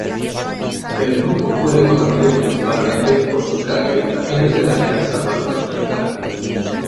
El grupo fue reconocido principalmente por sus caracterizaciones del área salvaje norteamericana.